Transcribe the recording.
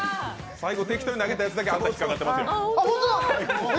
最後、適当に投げたやつだけ、あんた引っ掛かってますよ。